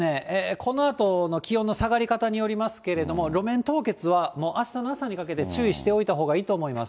このあとの気温の下がり方によりますけど、路面凍結はもうあしたの朝にかけて注意しておいたほうがいいと思います。